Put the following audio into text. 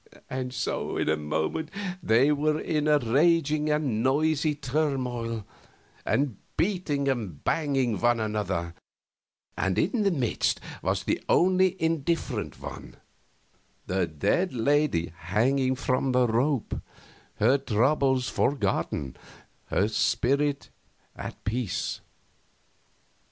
And so in a moment they were in a raging and noisy turmoil, and beating and banging one another; and in the midst was the only indifferent one the dead lady hanging from her rope, her troubles forgotten, her spirit at peace.